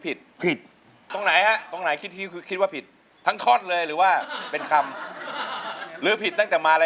เพลงที่๖นะครับมูลค่า๖๐๐๐๐บาท